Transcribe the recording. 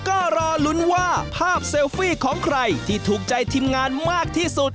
ก็รอลุ้นว่าภาพเซลฟี่ของใครที่ถูกใจทีมงานมากที่สุด